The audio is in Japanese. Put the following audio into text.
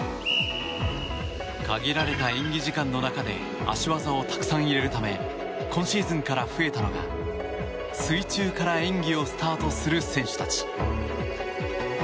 限られた演技時間の中で脚技をたくさん入れるため今シーズンから増えたのが水中から演技をスタートする選手たち。